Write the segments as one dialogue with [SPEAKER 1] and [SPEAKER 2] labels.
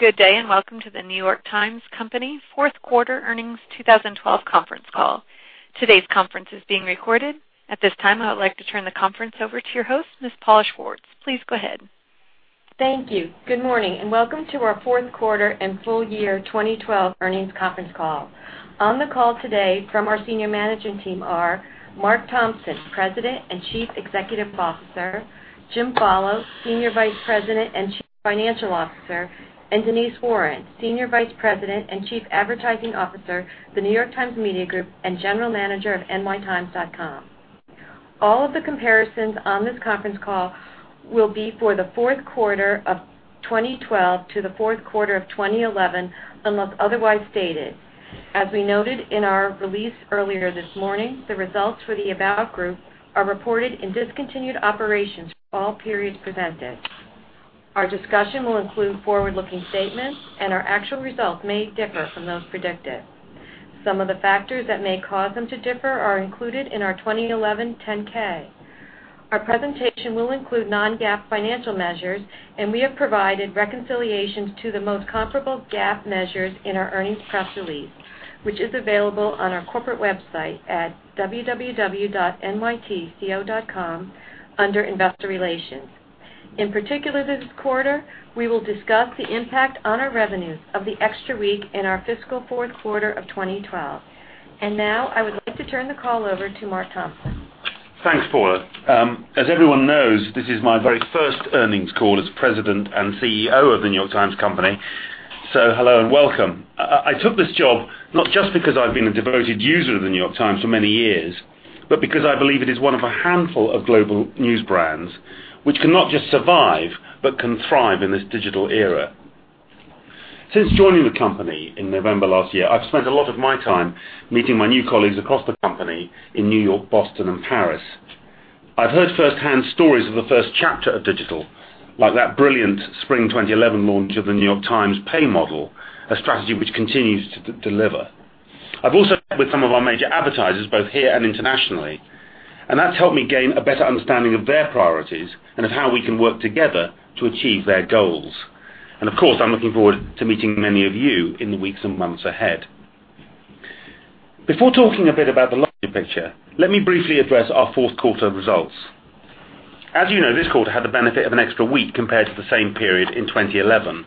[SPEAKER 1] Good day, and welcome to The New York Times Company fourth quarter earnings 2012 conference call. Today's conference is being recorded. At this time, I would like to turn the conference over to your host, Ms. Paula Schwartz. Please go ahead.
[SPEAKER 2] Thank you. Good morning, and welcome to our fourth quarter and full year 2012 earnings conference call. On the call today from our senior management team are Mark Thompson, President and Chief Executive Officer, Jim Follo, Senior Vice President and Chief Financial Officer, and Denise Warren, Senior Vice President and Chief Advertising Officer, The New York Times Media Group, and General Manager of nytimes.com. All of the comparisons on this conference call will be for the fourth quarter of 2012 to the fourth quarter of 2011, unless otherwise stated. As we noted in our release earlier this morning, the results for the About.com group are reported in discontinued operations for all periods presented. Our discussion will include forward-looking statements, and our actual results may differ from those predicted. Some of the factors that may cause them to differ are included in our 2011 10-K. Our presentation will include non-GAAP financial measures, and we have provided reconciliations to the most comparable GAAP measures in our earnings press release, which is available on our corporate website at www.nytco.com under Investor Relations. In particular, this quarter, we will discuss the impact on our revenues of the extra week in our fiscal fourth quarter of 2012. Now I would like to turn the call over to Mark Thompson.
[SPEAKER 3] Thanks, Paula. As everyone knows, this is my very first earnings call as President and CEO of The New York Times Company. Hello and welcome. I took this job not just because I've been a devoted user of The New York Times for many years, but because I believe it is one of a handful of global news brands which cannot just survive but can thrive in this digital era. Since joining the company in November last year, I've spent a lot of my time meeting my new colleagues across the company in New York, Boston, and Paris. I've heard firsthand stories of the first chapter of digital, like that brilliant spring 2011 launch of The New York Times pay model, a strategy which continues to deliver. I've also met with some of our major advertisers, both here and internationally, and that's helped me gain a better understanding of their priorities and of how we can work together to achieve their goals. Of course, I'm looking forward to meeting many of you in the weeks and months ahead. Before talking a bit about the larger picture, let me briefly address our fourth quarter results. As you know, this quarter had the benefit of an extra week compared to the same period in 2011.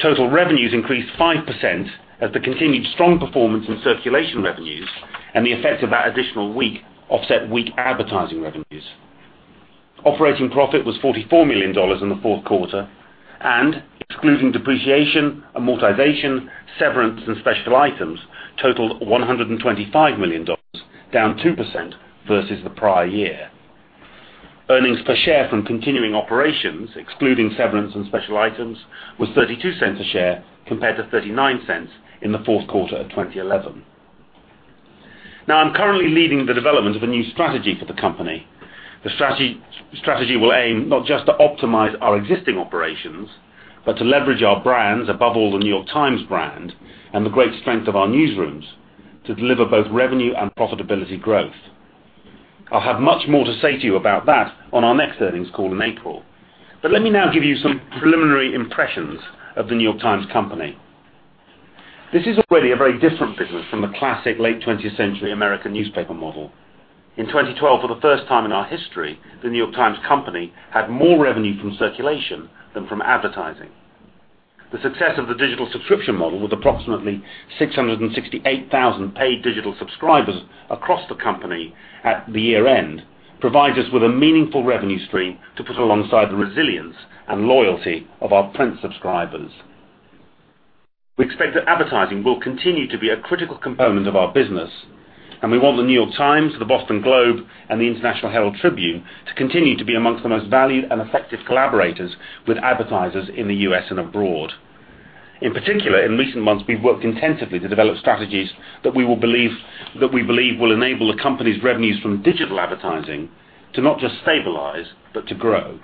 [SPEAKER 3] Total revenues increased 5% as the continued strong performance in circulation revenues and the effect of that additional week offset weak advertising revenues. Operating profit was $44 million in the fourth quarter, and excluding depreciation, amortization, severance, and special items totaled $125 million, down 2% versus the prior year. Earnings per share from continuing operations, excluding severance and special items, was $0.32 a share compared to $0.39 in the fourth quarter of 2011. Now I'm currently leading the development of a new strategy for the company. The strategy will aim not just to optimize our existing operations, but to leverage our brands, above all The New York Times brand, and the great strength of our newsrooms to deliver both revenue and profitability growth. I'll have much more to say to you about that on our next earnings call in April. Let me now give you some preliminary impressions of The New York Times Company. This is already a very different business from the classic late 20th century American newspaper model. In 2012, for the first time in our history, The New York Times Company had more revenue from circulation than from advertising. The success of the digital subscription model, with approximately 668,000 paid digital subscribers across the company at the year-end, provides us with a meaningful revenue stream to put alongside the resilience and loyalty of our print subscribers. We expect that advertising will continue to be a critical component of our business, and we want The New York Times, The Boston Globe, and the International Herald Tribune to continue to be amongst the most valued and effective collaborators with advertisers in the U.S. and abroad. In particular, in recent months, we've worked intensively to develop strategies that we believe will enable the company's revenues from digital advertising to not just stabilize but to grow.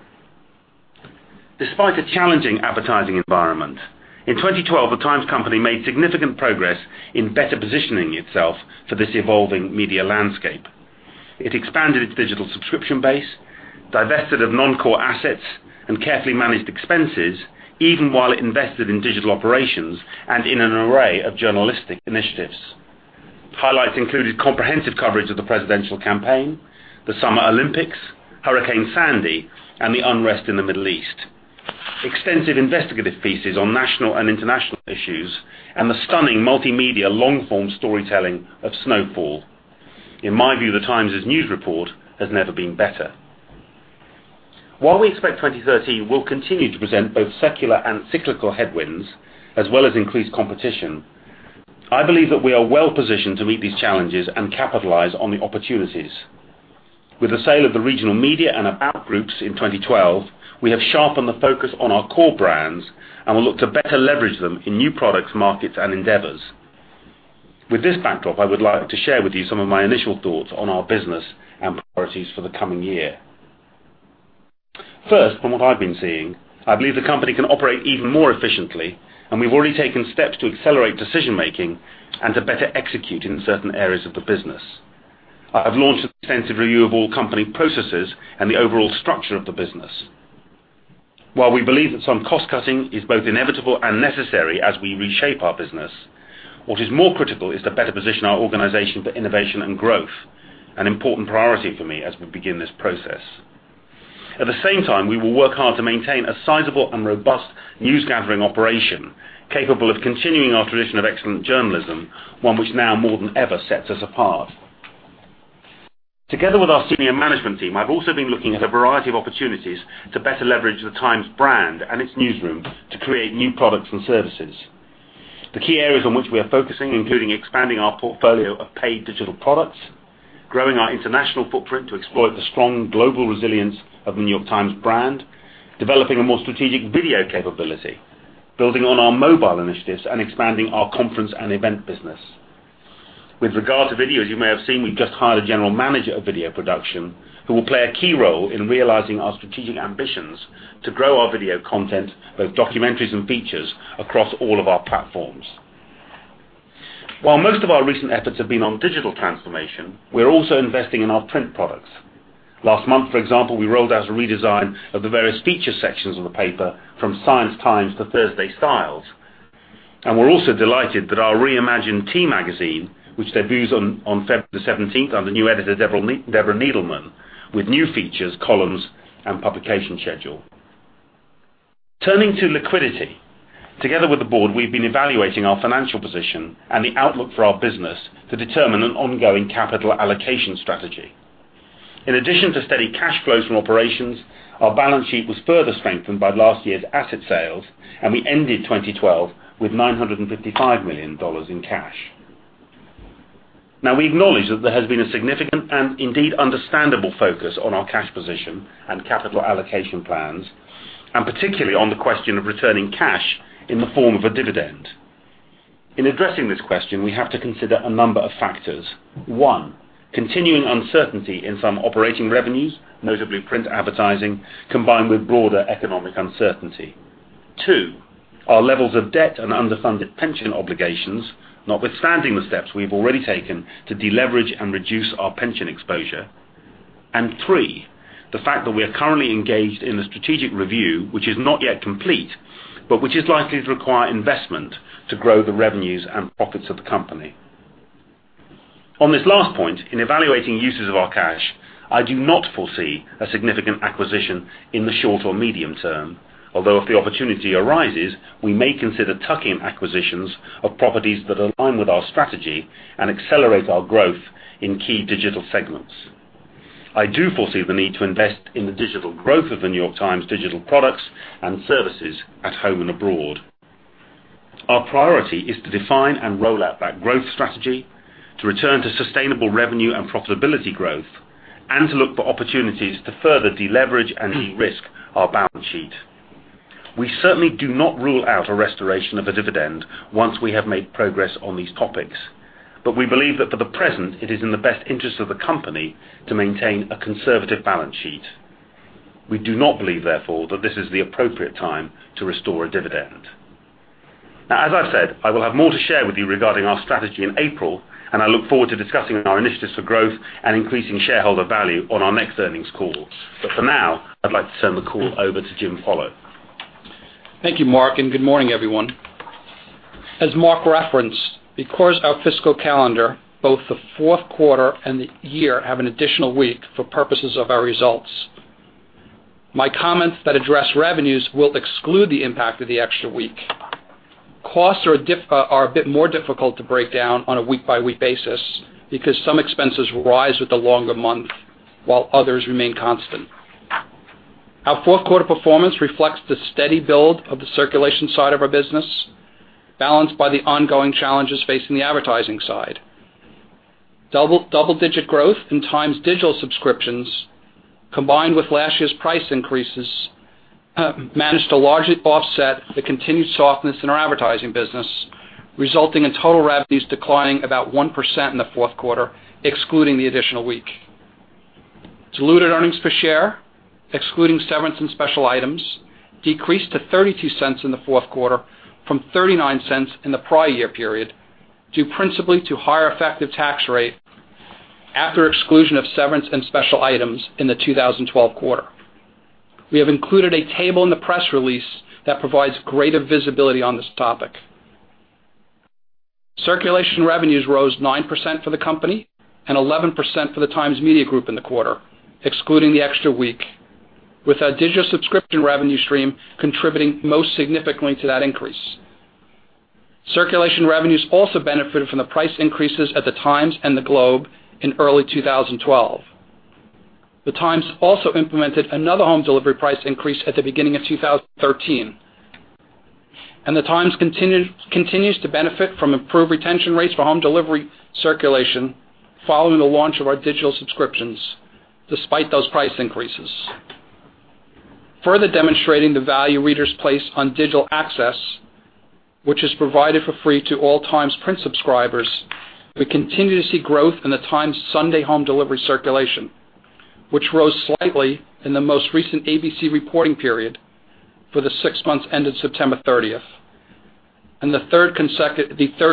[SPEAKER 3] Despite a challenging advertising environment, in 2012, the Times Company made significant progress in better positioning itself for this evolving media landscape. It expanded its digital subscription base, divested of non-core assets, and carefully managed expenses even while it invested in digital operations and in an array of journalistic initiatives. Highlights included comprehensive coverage of the presidential campaign, the Summer Olympics, Hurricane Sandy, and the unrest in the Middle East, extensive investigative pieces on national and international issues, and the stunning multimedia long-form storytelling of Snow Fall. In my view, the Times' news report has never been better. While we expect 2013 will continue to present both secular and cyclical headwinds as well as increased competition, I believe that we are well positioned to meet these challenges and capitalize on the opportunities. With the sale of the Regional Media and About Groups in 2012, we have sharpened the focus on our core brands and will look to better leverage them in new products, markets, and endeavors. With this backdrop, I would like to share with you some of my initial thoughts on our business and priorities for the coming year. First, from what I've been seeing, I believe the company can operate even more efficiently, and we've already taken steps to accelerate decision-making and to better execute in certain areas of the business. I have launched an extensive review of all company processes and the overall structure of the business. While we believe that some cost-cutting is both inevitable and necessary as we reshape our business, what is more critical is to better position our organization for innovation and growth, an important priority for me as we begin this process. At the same time, we will work hard to maintain a sizable and robust newsgathering operation, capable of continuing our tradition of excellent journalism, one which now more than ever sets us apart. Together with our senior management team, I've also been looking at a variety of opportunities to better leverage the Times brand and its newsroom to create new products and services. The key areas on which we are focusing, including expanding our portfolio of paid digital products, growing our international footprint to exploit the strong global resilience of The New York Times brand, developing a more strategic video capability, building on our mobile initiatives, and expanding our conference and event business. With regard to video, as you may have seen, we've just hired a general manager of video production who will play a key role in realizing our strategic ambitions to grow our video content, both documentaries and features, across all of our platforms. While most of our recent efforts have been on digital transformation, we are also investing in our print products. Last month, for example, we rolled out a redesign of the various feature sections of the paper, from Science Times to Thursday Styles. We're also delighted that our reimagined T Magazine, which debuts on February 17th under new editor Deborah Needleman, with new features, columns, and publication schedule. Turning to liquidity. Together with the board, we've been evaluating our financial position and the outlook for our business to determine an ongoing capital allocation strategy. In addition to steady cash flows from operations, our balance sheet was further strengthened by last year's asset sales, and we ended 2012 with $955 million in cash. Now we acknowledge that there has been a significant and indeed understandable focus on our cash position and capital allocation plans, and particularly on the question of returning cash in the form of a dividend. In addressing this question, we have to consider a number of factors. One, continuing uncertainty in some operating revenues, notably print advertising, combined with broader economic uncertainty. Two, our levels of debt and underfunded pension obligations, notwithstanding the steps we've already taken to deleverage and reduce our pension exposure. Three, the fact that we are currently engaged in a strategic review, which is not yet complete, but which is likely to require investment to grow the revenues and profits of the company. On this last point, in evaluating uses of our cash, I do not foresee a significant acquisition in the short or medium term. Although if the opportunity arises, we may consider tuck-in acquisitions of properties that align with our strategy and accelerate our growth in key digital segments. I do foresee the need to invest in the digital growth of The New York Times digital products and services at home and abroad. Our priority is to define and roll out that growth strategy, to return to sustainable revenue and profitability growth, and to look for opportunities to further deleverage and de-risk our balance sheet. We certainly do not rule out a restoration of a dividend once we have made progress on these topics. We believe that for the present, it is in the best interest of the company to maintain a conservative balance sheet. We do not believe therefore, that this is the appropriate time to restore a dividend. Now, as I've said, I will have more to share with you regarding our strategy in April, and I look forward to discussing our initiatives for growth and increasing shareholder value on our next earnings call. For now, I'd like to turn the call over to Jim Follo.
[SPEAKER 4] Thank you, Mark, and good morning, everyone. As Mark referenced, because our fiscal calendar both the fourth quarter and the year have an additional week for purposes of our results. My comments that address revenues will exclude the impact of the extra week. Costs are a bit more difficult to break down on a week-by-week basis because some expenses rise with the longer month while others remain constant. Our fourth quarter performance reflects the steady build of the circulation side of our business, balanced by the ongoing challenges facing the advertising side. Double-digit growth in Times digital subscriptions, combined with last year's price increases, managed to largely offset the continued softness in our advertising business, resulting in total revenues declining about 1% in the fourth quarter, excluding the additional week. Diluted earnings per share, excluding severance and special items, decreased to $0.32 in the fourth quarter from $0.39 in the prior year period, due principally to higher effective tax rate after exclusion of severance and special items in the 2012 quarter. We have included a table in the press release that provides greater visibility on this topic. Circulation revenues rose 9% for the company and 11% for the Times Media Group in the quarter, excluding the extra week, with our digital subscription revenue stream contributing most significantly to that increase. Circulation revenues also benefited from the price increases at the Times and the Globe in early 2012. The Times also implemented another home delivery price increase at the beginning of 2013. The Times continues to benefit from improved retention rates for home delivery circulation following the launch of our digital subscriptions, despite those price increases. Further demonstrating the value readers place on digital access, which is provided for free to all Times print subscribers, we continue to see growth in the Times Sunday home delivery circulation, which rose slightly in the most recent ABC reporting period for the six months ended September 30th. The third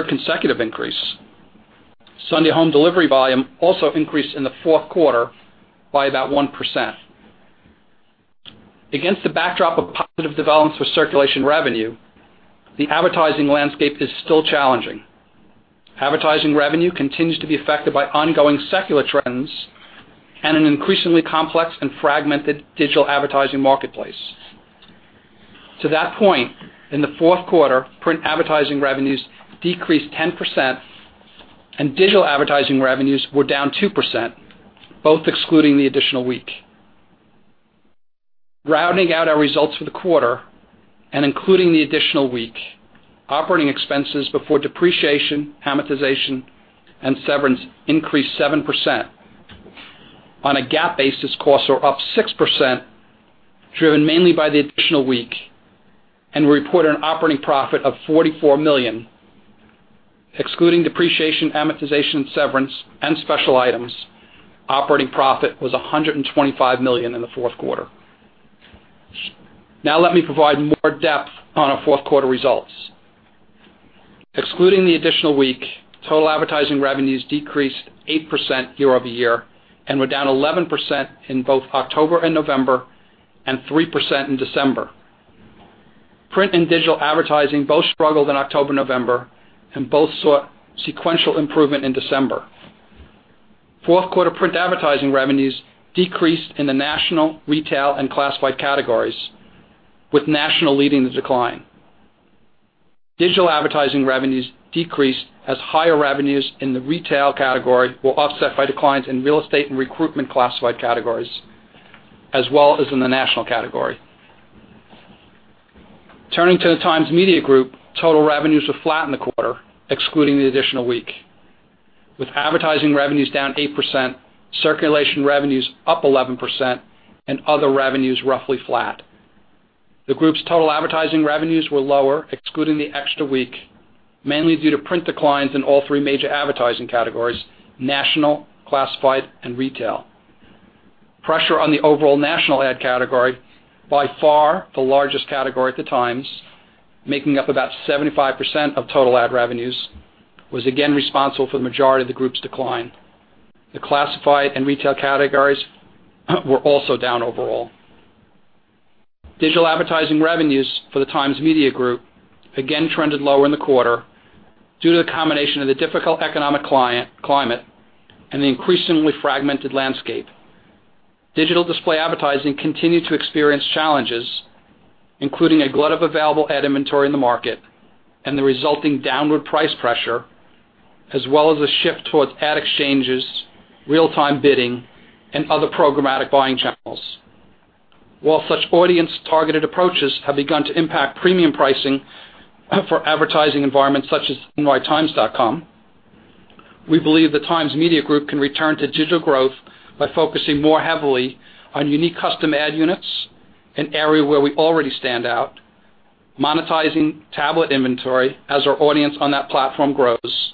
[SPEAKER 4] consecutive increase. Sunday home delivery volume also increased in the fourth quarter by about 1%. Against the backdrop of positive developments for circulation revenue, the advertising landscape is still challenging. Advertising revenue continues to be affected by ongoing secular trends and an increasingly complex and fragmented digital advertising marketplace. To that point, in the fourth quarter, print advertising revenues decreased 10%, and digital advertising revenues were down 2%, both excluding the additional week. Rounding out our results for the quarter and including the additional week, operating expenses before depreciation, amortization, and severance increased 7%. On a GAAP basis, costs are up 6%, driven mainly by the additional week, and we reported an operating profit of $44 million. Excluding depreciation, amortization, severance, and special items, operating profit was $125 million in the fourth quarter. Now let me provide more depth on our fourth quarter results. Excluding the additional week, total advertising revenues decreased 8% year-over-year and were down 11% in both October and November and 3% in December. Print and digital advertising both struggled in October, November, and both saw sequential improvement in December. Fourth quarter print advertising revenues decreased in the national, retail, and classified categories, with national leading the decline. Digital advertising revenues decreased as higher revenues in the retail category were offset by declines in real estate and recruitment classified categories, as well as in the national category. Turning to the Times Media Group, total revenues were flat in the quarter, excluding the additional week, with advertising revenues down 8%, circulation revenues up 11%, and other revenues roughly flat. The group's total advertising revenues were lower, excluding the extra week, mainly due to print declines in all three major advertising categories, national, classified, and retail. Pressure on the overall national ad category, by far the largest category at the Times, making up about 75% of total ad revenues, was again responsible for the majority of the group's decline. The classified and retail categories were also down overall. Digital advertising revenues for the Times Media Group again trended lower in the quarter due to the combination of the difficult economic climate and the increasingly fragmented landscape. Digital display advertising continued to experience challenges, including a glut of available ad inventory in the market and the resulting downward price pressure, as well as a shift towards ad exchanges, real-time bidding, and other programmatic buying channels. While such audience-targeted approaches have begun to impact premium pricing for advertising environments such as nytimes.com, we believe the Times Media Group can return to digital growth by focusing more heavily on unique custom ad units, an area where we already stand out, monetizing tablet inventory as our audience on that platform grows,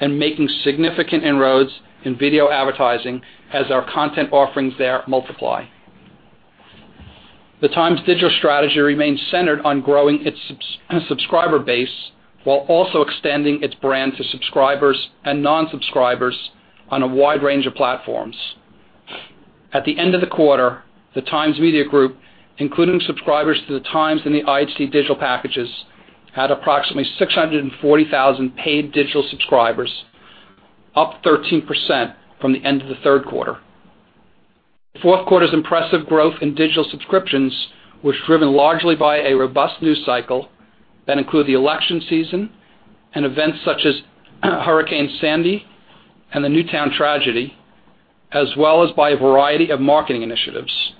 [SPEAKER 4] and making significant inroads in video advertising as our content offerings there multiply. The Times digital strategy remains centered on growing its subscriber base while also extending its brand to subscribers and non-subscribers on a wide range of platforms. At the end of the quarter, the Times Media Group, including subscribers to the Times and the IHT digital packages, had approximately 640,000 paid digital subscribers, up 13% from the end of the third quarter. The fourth quarter's impressive growth in digital subscriptions was driven largely by a robust news cycle that included the election season and events such as Hurricane Sandy and the Newtown tragedy, as well as by a variety of marketing initiatives.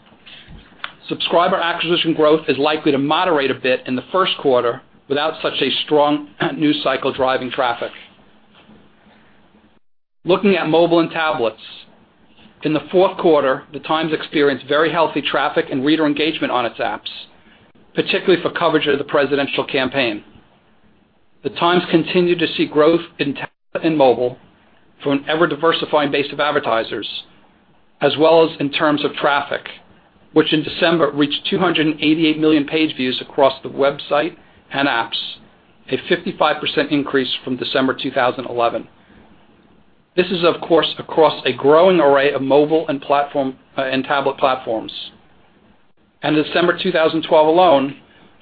[SPEAKER 4] Subscriber acquisition growth is likely to moderate a bit in the first quarter without such a strong news cycle driving traffic. Looking at mobile and tablets, in the fourth quarter, the Times experienced very healthy traffic and reader engagement on its apps, particularly for coverage of the presidential campaign. The Times continued to see growth in tablet and mobile from an ever-diversifying base of advertisers, as well as in terms of traffic, which in December reached 288 million page views across the website and apps, a 55% increase from December 2011. This is, of course, across a growing array of mobile and tablet platforms. In December 2012 alone,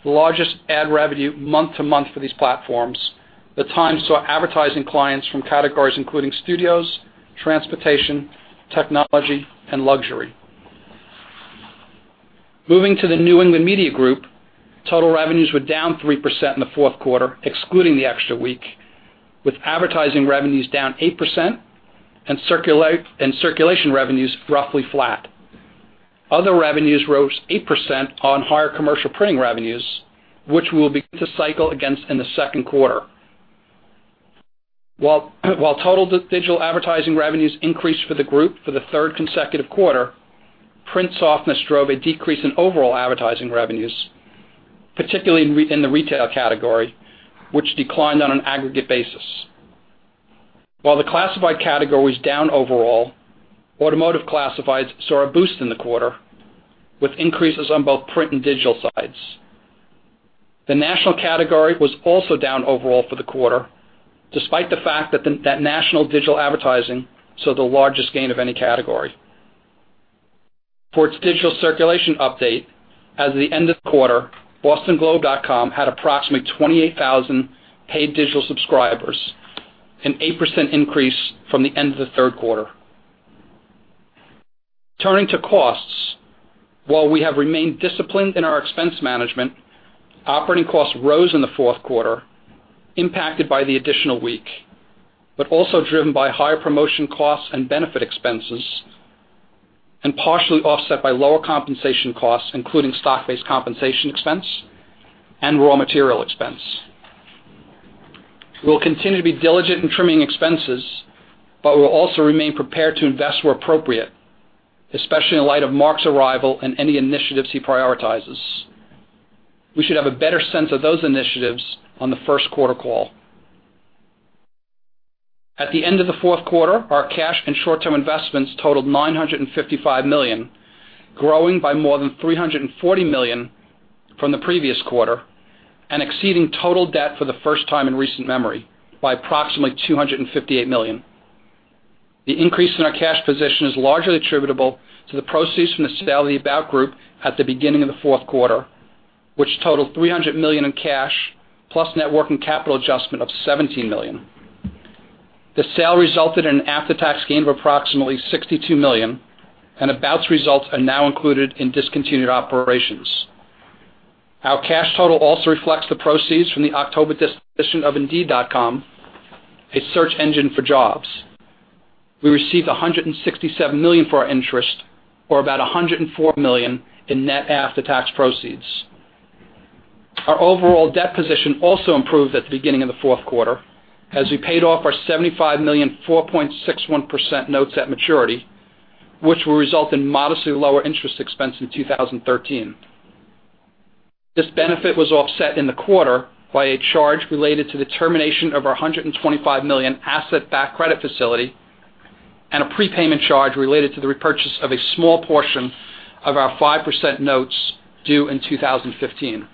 [SPEAKER 4] the largest ad revenue month to month for these platforms, the Times saw advertising clients from categories including studios, transportation, technology, and luxury. Moving to the New England Media Group, total revenues were down 3% in the fourth quarter, excluding the extra week, with advertising revenues down 8% and circulation revenues roughly flat. Other revenues rose 8% on higher commercial printing revenues, which we will begin to cycle against in the second quarter. While total digital advertising revenues increased for the group for the third consecutive quarter, print softness drove a decrease in overall advertising revenues, particularly in the retail category, which declined on an aggregate basis. While the classified category is down overall, automotive classifieds saw a boost in the quarter, with increases on both print and digital sides. The national category was also down overall for the quarter, despite the fact that national digital advertising saw the largest gain of any category. For its digital circulation update, as of the end of the quarter, bostonglobe.com had approximately 28,000 paid digital subscribers, an 8% increase from the end of the third quarter. Turning to costs. While we have remained disciplined in our expense management, operating costs rose in the fourth quarter, impacted by the additional week, but also driven by higher promotion costs and benefit expenses, and partially offset by lower compensation costs, including stock-based compensation expense and raw material expense. We will continue to be diligent in trimming expenses, but we will also remain prepared to invest where appropriate, especially in light of Mark's arrival and any initiatives he prioritizes. We should have a better sense of those initiatives on the first quarter call. At the end of the fourth quarter, our cash and short-term investments totaled $955 million, growing by more than $340 million from the previous quarter, and exceeding total debt for the first time in recent memory by approximately $258 million. The increase in our cash position is largely attributable to the proceeds from the sale of About.com at the beginning of the fourth quarter, which totaled $300 million in cash, plus net working capital adjustment of $17 million. The sale resulted in an after-tax gain of approximately $62 million, and About.com's results are now included in discontinued operations. Our cash total also reflects the proceeds from the October disposition of indeed.com, a search engine for jobs. We received $167 million for our interest, or about $104 million in net after-tax proceeds. Our overall debt position also improved at the beginning of the fourth quarter as we paid off our $75 million 4.61% notes at maturity, which will result in modestly lower interest expense in 2013. This benefit was offset in the quarter by a charge related to the termination of our $125 million asset-backed credit facility and a prepayment charge related to the repurchase of a small portion of our 5% notes due in 2015.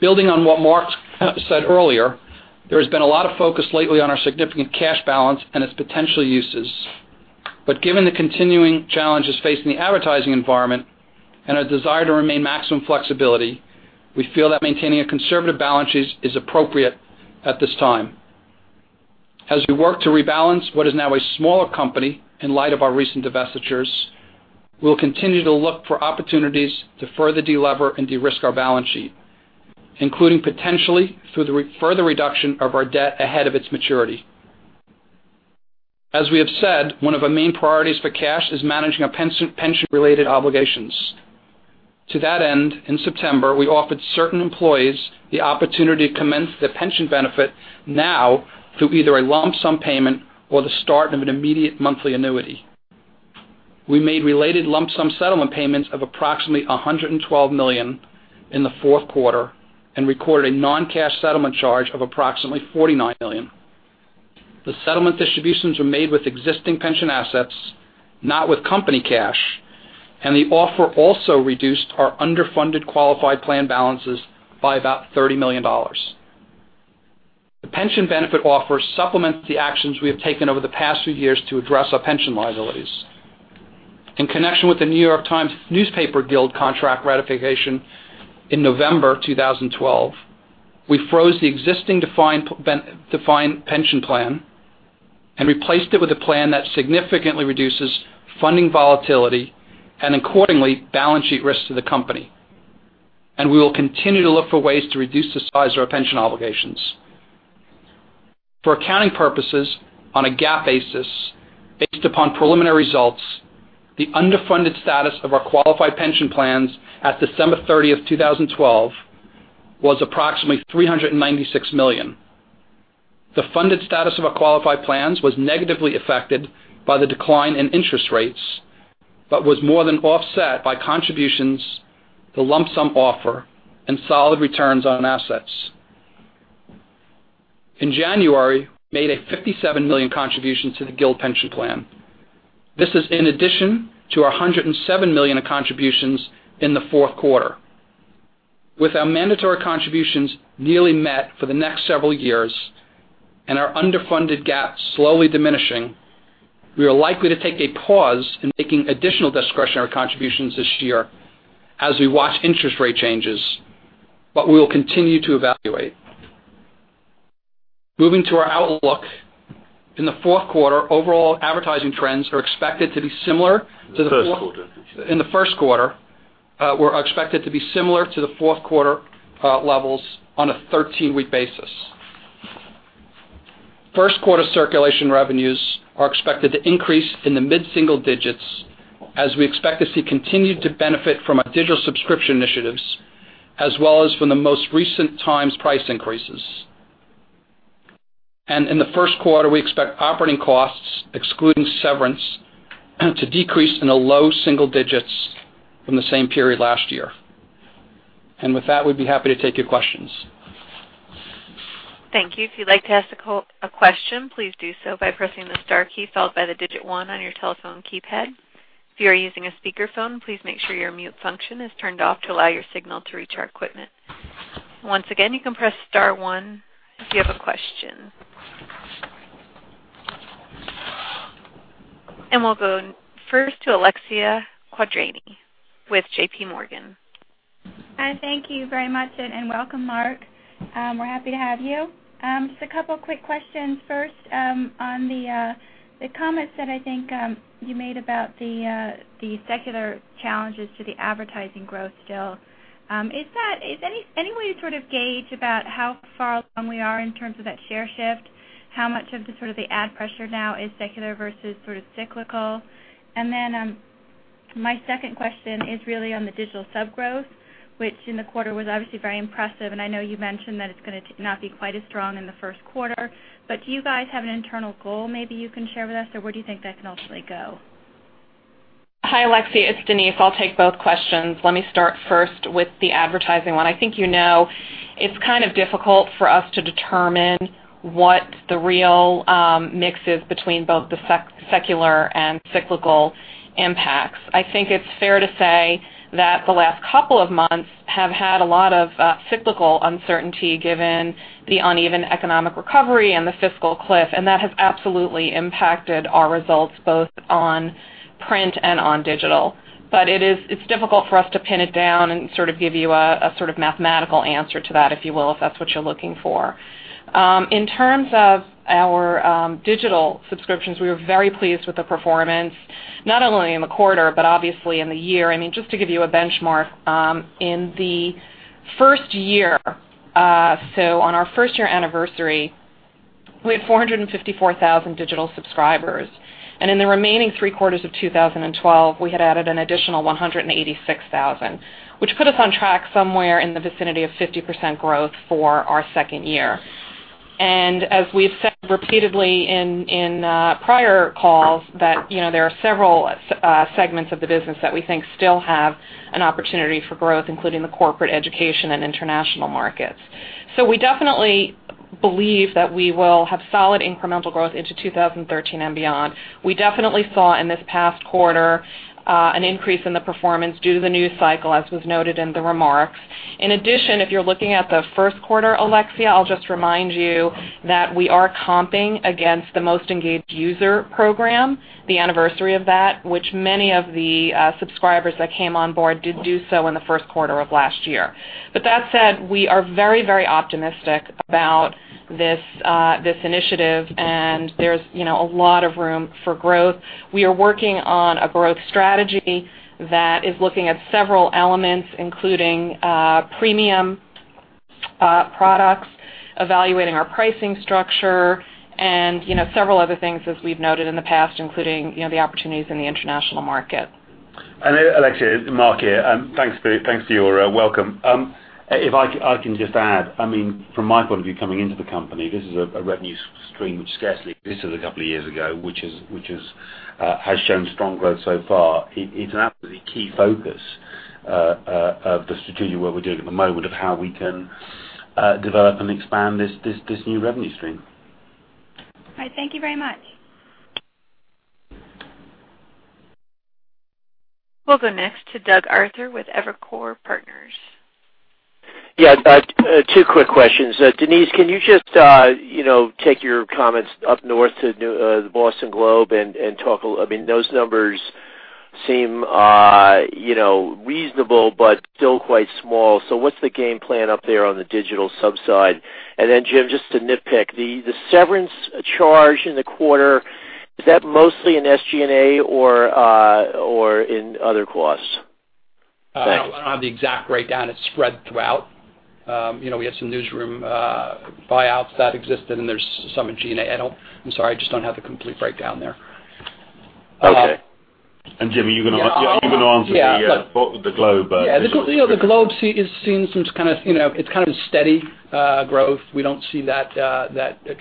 [SPEAKER 4] Building on what Mark said earlier, there has been a lot of focus lately on our significant cash balance and its potential uses. Given the continuing challenges facing the advertising environment and our desire to maintain maximum flexibility, we feel that maintaining a conservative balance sheet is appropriate at this time. As we work to rebalance what is now a smaller company in light of our recent divestitures, we will continue to look for opportunities to further delever and de-risk our balance sheet, including potentially through the further reduction of our debt ahead of its maturity. As we have said, one of our main priorities for cash is managing our pension-related obligations. To that end, in September, we offered certain employees the opportunity to commence their pension benefit now through either a lump sum payment or the start of an immediate monthly annuity. We made related lump sum settlement payments of approximately $112 million in the fourth quarter and recorded a non-cash settlement charge of approximately $49 million. The settlement distributions were made with existing pension assets, not with company cash, and the offer also reduced our underfunded qualified plan balances by about $30 million. The pension benefit offer supplements the actions we have taken over the past few years to address our pension liabilities. In connection with the Newspaper Guild of New York contract ratification in November 2012, we froze the existing defined pension plan and replaced it with a plan that significantly reduces funding volatility and accordingly, balance sheet risks to the company. We will continue to look for ways to reduce the size of our pension obligations. For accounting purposes, on a GAAP basis, based upon preliminary results, the underfunded status of our qualified pension plans at December 30th, 2012, was approximately $396 million. The funded status of our qualified plans was negatively affected by the decline in interest rates, but was more than offset by contributions to the lump sum offer and solid returns on assets. In January, we made a $57 million contribution to the Guild pension plan. This is in addition to our $107 million of contributions in the fourth quarter. With our mandatory contributions nearly met for the next several years and our underfunded GAAP slowly diminishing, we are likely to take a pause in making additional discretionary contributions this year as we watch interest rate changes, but we will continue to evaluate. Moving to our outlook. In the fourth quarter, overall advertising trends are expected to be similar to the fourth.
[SPEAKER 3] In the first quarter.
[SPEAKER 4] In the first quarter, revenues were expected to be similar to the fourth quarter levels on a 13-week basis. First quarter circulation revenues are expected to increase in the mid-single digits% as we expect to see continue to benefit from our digital subscription initiatives, as well as from the most recent Times price increases. In the first quarter, we expect operating costs, excluding severance, to decrease in the low single digits% from the same period last year. With that, we'd be happy to take your questions.
[SPEAKER 1] Thank you. If you'd like to ask a question, please do so by pressing the star key followed by the digit one on your telephone keypad. If you are using a speakerphone, please make sure your mute function is turned off to allow your signal to reach our equipment. Once again, you can press star one if you have a question. We'll go first to Alexia Quadrani with JPMorgan.
[SPEAKER 5] Hi, thank you very much, and welcome, Mark. We're happy to have you. Just a couple of quick questions. First, on the comments that I think you made about the secular challenges to the advertising growth still. Is there any way to sort of gauge about how far along we are in terms of that share shift? How much of the ad pressure now is secular versus cyclical? And then my second question is really on the digital sub growth, which in the quarter was obviously very impressive, and I know you mentioned that it's going to not be quite as strong in the first quarter, but do you guys have an internal goal maybe you can share with us? Or where do you think that can ultimately go?
[SPEAKER 6] Hi, Alexia. It's Denise. I'll take both questions. Let me start first with the advertising one. I think you know, it's kind of difficult for us to determine what the real mix is between both the secular and cyclical impacts. I think it's fair to say that the last couple of months have had a lot of cyclical uncertainty given the uneven economic recovery and the fiscal cliff, and that has absolutely impacted our results, both on print and on digital. It's difficult for us to pin it down and give you a sort of mathematical answer to that, if you will, if that's what you're looking for. In terms of our digital subscriptions, we were very pleased with the performance, not only in the quarter, but obviously in the year. I mean, just to give you a benchmark, in the first year, so on our first-year anniversary, we had 454,000 digital subscribers, and in the remaining three quarters of 2012, we had added an additional 186,000, which put us on track somewhere in the vicinity of 50% growth for our second year. As we've said repeatedly in prior calls, that there are several segments of the business that we think still have an opportunity for growth, including the corporate education and international markets. We definitely believe that we will have solid incremental growth into 2013 and beyond. We definitely saw in this past quarter an increase in the performance due to the news cycle, as was noted in the remarks. In addition, if you're looking at the first quarter, Alexia, I'll just remind you that we are comping against the most engaged user program, the anniversary of that, which many of the subscribers that came on board did do so in the first quarter of last year. But that said, we are very optimistic about this initiative, and there's a lot of room for growth. We are working on a growth strategy that is looking at several elements, including premium products, evaluating our pricing structure, and several other things as we've noted in the past, including the opportunities in the international market.
[SPEAKER 3] Alexia, it's Mark here. Thanks to you, welcome. If I can just add, from my point of view, coming into the company, this is a revenue stream which scarcely existed a couple of years ago, which has shown strong growth so far. It's absolutely key focus of the strategy where we're doing at the moment of how we can develop and expand this new revenue stream.
[SPEAKER 5] All right. Thank you very much.
[SPEAKER 1] We'll go next to Douglas Arthur with Evercore Partners.
[SPEAKER 7] Yeah. Two quick questions. Denise, can you just take your comments up north to The Boston Globe and talk those numbers seem reasonable, but still quite small. What's the game plan up there on the digital sub-side? Jim, just to nitpick, the severance charge in the quarter, is that mostly in SG&A or in other costs? Thanks.
[SPEAKER 4] On the exact breakdown, it's spread throughout. We had some newsroom buyouts that existed, and there's some in G&A. I'm sorry, I just don't have the complete breakdown there.
[SPEAKER 7] Okay.
[SPEAKER 3] Jim, are you going to answer the Globe digital?
[SPEAKER 4] Yeah. The Boston Globe is seeing some kind of steady growth. We don't see that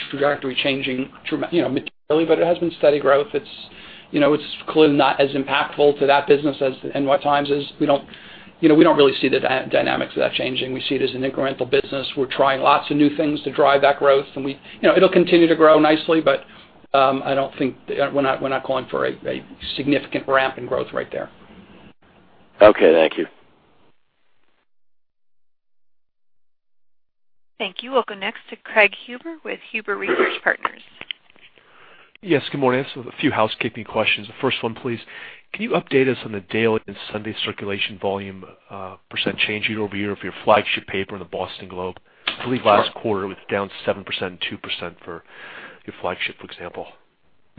[SPEAKER 4] trajectory changing materially, but it has been steady growth. It's clearly not as impactful to that business as New York Times is. We don't really see the dynamics of that changing. We see it as an incremental business. We're trying lots of new things to drive that growth, and it'll continue to grow nicely, but we're not going for a significant ramp in growth right there.
[SPEAKER 7] Okay. Thank you.
[SPEAKER 1] Thank you. We'll go next to Craig Huber with Huber Research Partners.
[SPEAKER 8] Yes. Good morning. I just have a few housekeeping questions. The first one, please. Can you update us on the daily and Sunday circulation volume percentage change year-over-year of your flagship paper, The Boston Globe? I believe last quarter it was down 7% and 2% for your flagship, for example.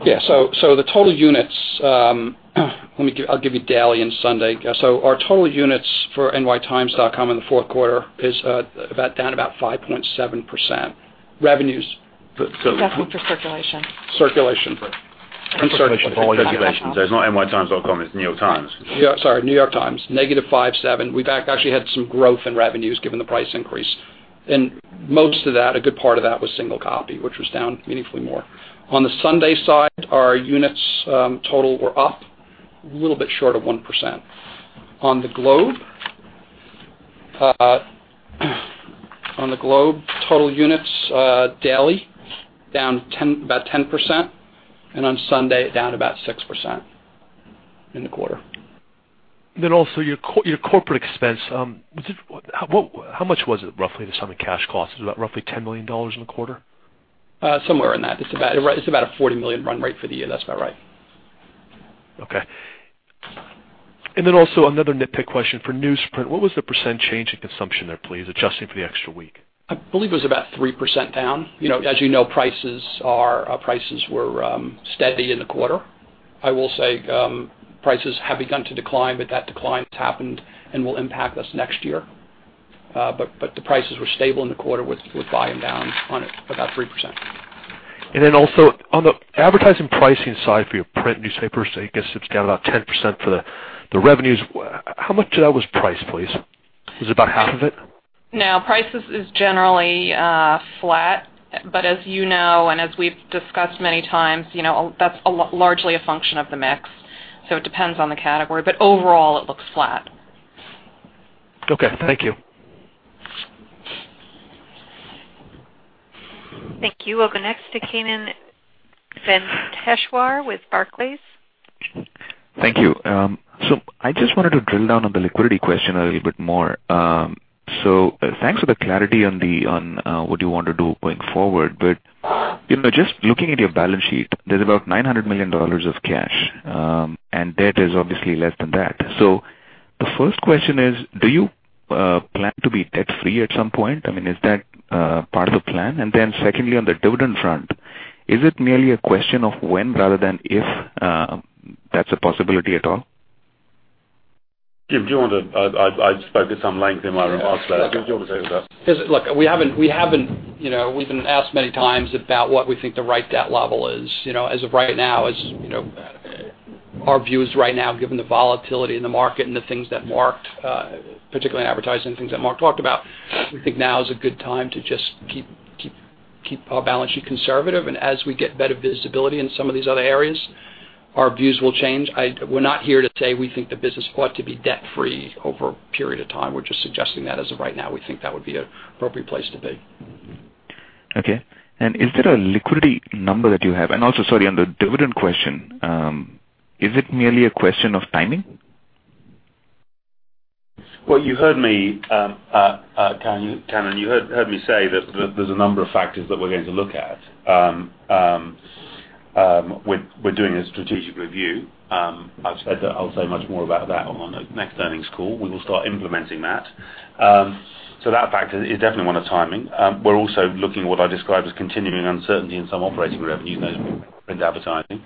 [SPEAKER 4] Yeah. The total units, I'll give you daily and Sunday. Our total units for nytimes.com in the fourth quarter is down about 5.7%. Revenues.
[SPEAKER 2] He's asking for circulation.
[SPEAKER 4] Circulation.
[SPEAKER 3] For all your publications. There's not nytimes.com, it's New York Times.
[SPEAKER 4] Sorry, New York Times, negative 57%. We've actually had some growth in revenues given the price increase. Most of that, a good part of that was single copy, which was down meaningfully more. On the Sunday side, our total units were up a little bit short of 1%. On the Globe, total units daily down about 10%, and on Sunday, down about 6% in the quarter.
[SPEAKER 8] Also your corporate expense, how much was it, roughly, the sum of cash costs? Was it about roughly $10 million in the quarter?
[SPEAKER 4] Somewhere in that. It's about a $40 million run rate for the year. That's about right.
[SPEAKER 8] Okay. Also another nitpick question for newsprint. What was the percentage change in consumption there, please, adjusting for the extra week?
[SPEAKER 4] I believe it was about 3% down. As you know, our prices were steady in the quarter. I will say prices have begun to decline, but that decline happened and will impact us next year. The prices were stable in the quarter with volume down on it about 3%.
[SPEAKER 8] Also on the advertising pricing side for your print newspapers, I guess it's down about 10% for the revenues. How much of that was price, please? Was it about half of it?
[SPEAKER 6] No, prices is generally flat. As you know and as we've discussed many times, that's largely a function of the mix. It depends on the category. Overall, it looks flat.
[SPEAKER 8] Okay, thank you.
[SPEAKER 1] Thank you. We'll go next to Kannan Venkateshwar with Barclays.
[SPEAKER 9] Thank you. I just wanted to drill down on the liquidity question a little bit more. Thanks for the clarity on what you want to do going forward. Just looking at your balance sheet, there's about $900 million of cash, and debt is obviously less than that. The first question is, do you plan to be debt-free at some point? I mean, is that part of the plan? Then secondly, on the dividend front, is it merely a question of when rather than if that's a possibility at all?
[SPEAKER 3] Jim, I spoke at some length in my opening remarks about it. Do you want to take that?
[SPEAKER 4] Look, we've been asked many times about what we think the right debt level is. As you know, our views right now, given the volatility in the market and the things that Mark, particularly in advertising, things that Mark talked about, we think now is a good time to just keep our balance sheet conservative. As we get better visibility in some of these other areas, our views will change. We're not here to say we think the business ought to be debt-free over a period of time. We're just suggesting that as of right now, we think that would be an appropriate place to be.
[SPEAKER 9] Okay. Is there a liquidity number that you have? Also, sorry, on the dividend question, is it merely a question of timing?
[SPEAKER 3] Well, you heard me, Kannan, you heard me say that there's a number of factors that we're going to look at. We're doing a strategic review. I've said that I'll say much more about that on our next earnings call. We will start implementing that. That factor is definitely one of timing. We're also looking at what I describe as continuing uncertainty in some operating revenues, those being print advertising.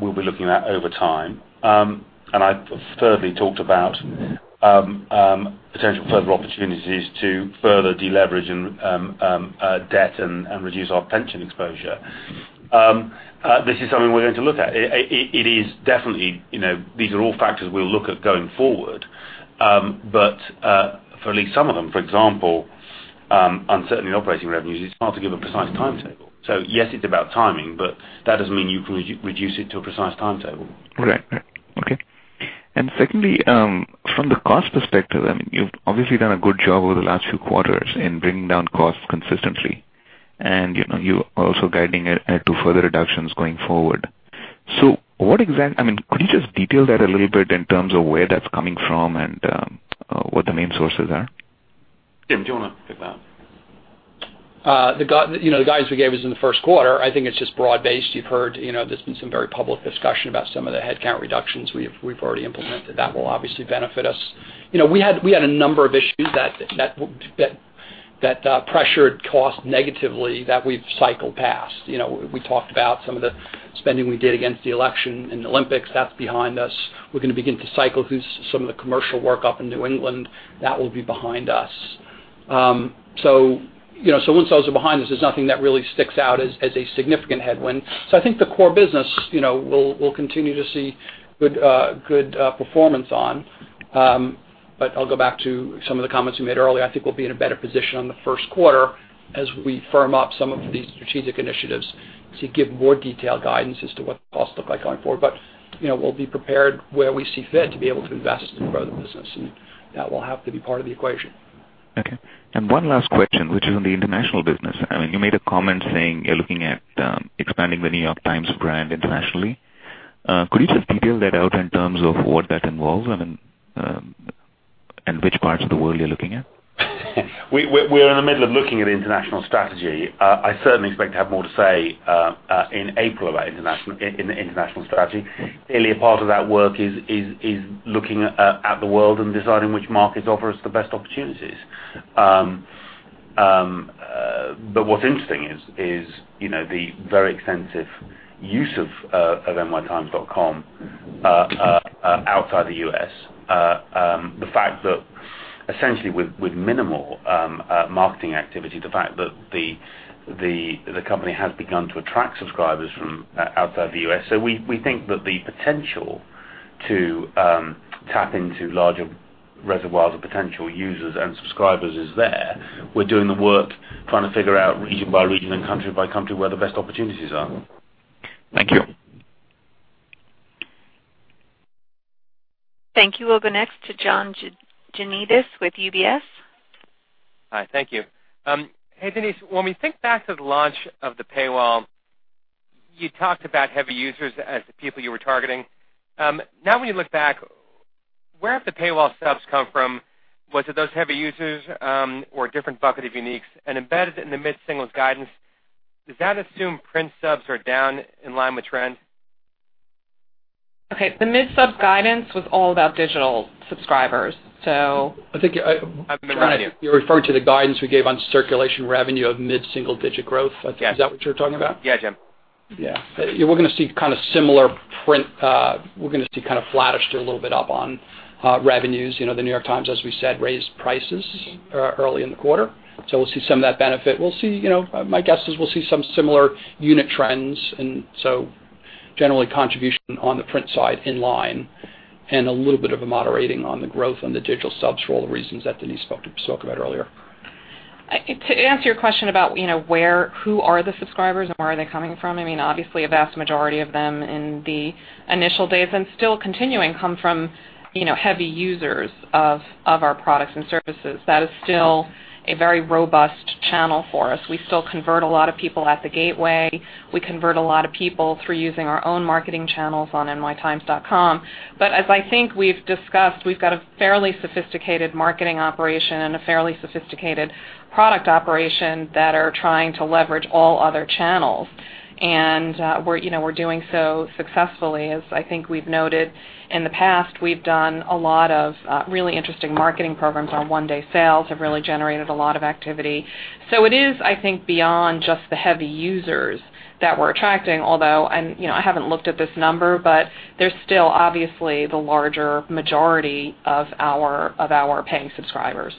[SPEAKER 3] We'll be looking at that over time. I firmly talked about potential further opportunities to further deleverage in debt and reduce our pension exposure. This is something we're going to look at. These are all factors we'll look at going forward. For at least some of them, for example, uncertainty in operating revenues, it's hard to give a precise timetable. Yes, it's about timing, but that doesn't mean you can reduce it to a precise timetable.
[SPEAKER 9] Right. Okay. Secondly, from the cost perspective, you've obviously done a good job over the last few quarters in bringing down costs consistently. You're also guiding to further reductions going forward. Could you just detail that a little bit in terms of where that's coming from and what the main sources are?
[SPEAKER 3] Jim, do you want to take that?
[SPEAKER 4] The guidance we gave is in the first quarter. I think it's just broad-based. You've heard there's been some very public discussion about some of the headcount reductions we've already implemented. That will obviously benefit us. We had a number of issues that pressured cost negatively that we've cycled past. We talked about some of the spending we did against the election and the Olympics. That's behind us. We're going to begin to cycle through some of the commercial work up in New England. That will be behind us. Once those are behind us, there's nothing that really sticks out as a significant headwind. I think the core business we'll continue to see good performance on. I'll go back to some of the comments we made earlier. I think we'll be in a better position on the first quarter as we firm up some of these strategic initiatives to give more detailed guidance as to what the costs look like going forward. We'll be prepared where we see fit to be able to invest in growth business, and that will have to be part of the equation.
[SPEAKER 9] Okay. One last question, which is on the international business. You made a comment saying you're looking at expanding The New York Times brand internationally. Could you just detail that out in terms of what that involves and which parts of the world you're looking at?
[SPEAKER 3] We're in the middle of looking at international strategy. I certainly expect to have more to say in April about the international strategy. Clearly, a part of that work is looking at the world and deciding which markets offer us the best opportunities. What's interesting is the very extensive use of nytimes.com outside the U.S. The fact that essentially with minimal marketing activity, the fact that the company has begun to attract subscribers from outside the U.S. We think that the potential To tap into larger reservoirs of potential users and subscribers is there. We're doing the work, trying to figure out region by region and country by country where the best opportunities are.
[SPEAKER 9] Thank you.
[SPEAKER 1] Thank you. We'll go next to John Janedis with UBS.
[SPEAKER 10] Hi, thank you. Hey, Denise, when we think back to the launch of the paywall, you talked about heavy users as the people you were targeting. Now, when you look back, where have the paywall subs come from? Was it those heavy users, or a different bucket of uniques? Embedded in the mid-singles guidance, does that assume print subs are down in line with trend?
[SPEAKER 6] Okay. The mid sub guidance was all about digital subscribers.
[SPEAKER 4] You're referring to the guidance we gave on circulation revenue of mid-single-digit growth.
[SPEAKER 10] Yes.
[SPEAKER 4] Is that what you're talking about?
[SPEAKER 10] Yes, Jim.
[SPEAKER 4] Yeah. We're going to see similar print. We're going to see flattish to a little bit up on revenues. The New York Times, as we said, raised prices early in the quarter. We'll see some of that benefit. My guess is we'll see some similar unit trends, and so generally contribution on the print side in line, and a little bit of a moderating on the growth on the digital subs for all the reasons that Denise spoke about earlier.
[SPEAKER 6] To answer your question about who are the subscribers and where are they coming from, obviously, a vast majority of them in the initial days and still continuing, come from heavy users of our products and services. That is still a very robust channel for us. We still convert a lot of people at the gateway. We convert a lot of people through using our own marketing channels on nytimes.com. But as I think we've discussed, we've got a fairly sophisticated marketing operation and a fairly sophisticated product operation that are trying to leverage all other channels. We're doing so successfully. As I think we've noted in the past, we've done a lot of really interesting marketing programs on one-day sales, have really generated a lot of activity. It is, I think, beyond just the heavy users that we're attracting, although, I haven't looked at this number, but they're still obviously the larger majority of our paying subscribers.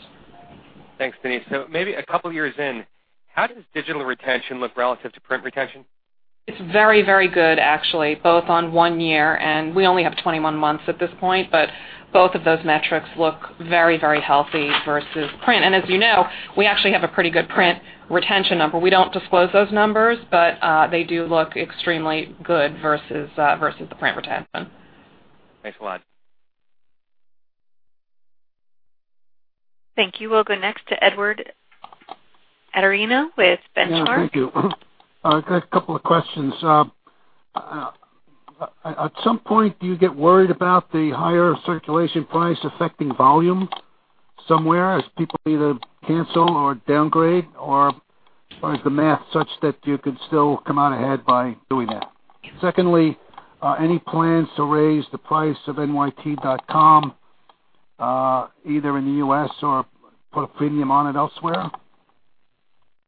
[SPEAKER 10] Thanks, Denise. Maybe a couple of years in, how does digital retention look relative to print retention?
[SPEAKER 6] It's very, very good, actually, both on one year, and we only have 21 months at this point, but both of those metrics look very, very healthy versus print. As you know, we actually have a pretty good print retention number. We don't disclose those numbers, but they do look extremely good versus the print retention.
[SPEAKER 10] Thanks a lot.
[SPEAKER 1] Thank you. We'll go next to Edward Atorino with Benchmark.
[SPEAKER 11] Yeah, thank you. I've got a couple of questions. At some point, do you get worried about the higher circulation price affecting volume somewhere as people either cancel or downgrade, or is the math such that you could still come out ahead by doing that? Secondly, any plans to raise the price of nyt.com, either in the U.S. or put a premium on it elsewhere?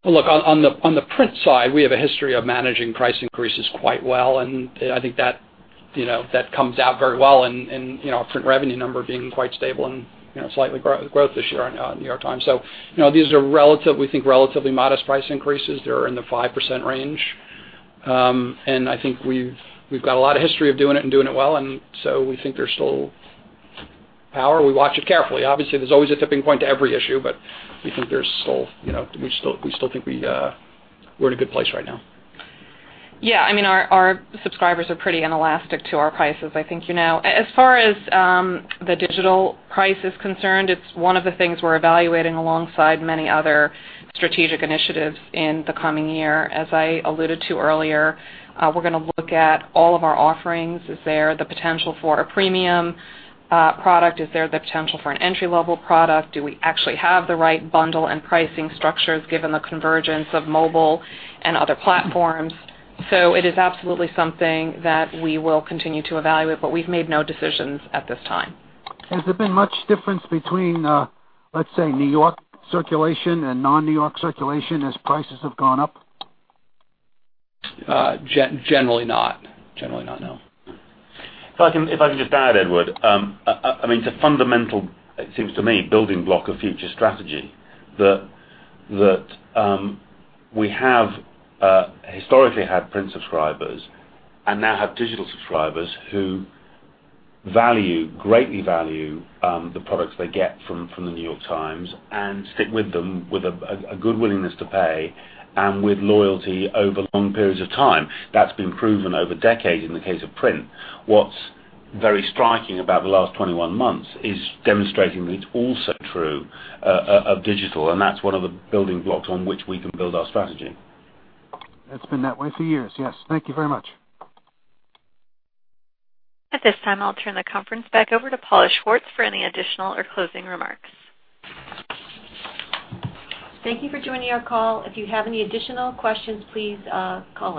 [SPEAKER 4] Look, on the print side, we have a history of managing price increases quite well, and I think that comes out very well in our print revenue number being quite stable and slight growth this year on New York Times. These are, we think, relatively modest price increases. They're in the 5% range. I think we've got a lot of history of doing it and doing it well, and so we think there's still power. We watch it carefully. Obviously, there's always a tipping point to every issue, but we still think we're in a good place right now.
[SPEAKER 6] Yeah. Our subscribers are pretty inelastic to our prices, I think you know. As far as the digital price is concerned, it's one of the things we're evaluating alongside many other strategic initiatives in the coming year. As I alluded to earlier, we're going to look at all of our offerings. Is there the potential for a premium product? Is there the potential for an entry-level product? Do we actually have the right bundle and pricing structures given the convergence of mobile and other platforms? It is absolutely something that we will continue to evaluate, but we've made no decisions at this time.
[SPEAKER 11] Has there been much difference between, let's say, New York circulation and non-New York circulation as prices have gone up?
[SPEAKER 4] Generally not, no.
[SPEAKER 3] If I can just add, Edward, it's a fundamental, it seems to me, building block of future strategy that we historically had print subscribers and now have digital subscribers who greatly value the products they get from The New York Times and stick with them with a good willingness to pay and with loyalty over long periods of time. That's been proven over decades in the case of print. What's very striking about the last 21 months is demonstrating that it's also true of digital, and that's one of the building blocks on which we can build our strategy.
[SPEAKER 11] It's been that way for years. Yes. Thank you very much.
[SPEAKER 1] At this time, I'll turn the conference back over to Paula Schwartz for any additional or closing remarks.
[SPEAKER 2] Thank you for joining our call. If you have any additional questions, please call.